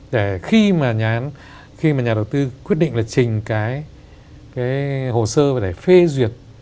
để khi mà nhà đầu tư quyết định là trình cái hồ sơ và để phê duyệt